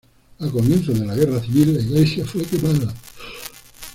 A comienzos de la Guerra Civil la iglesia fue quemada.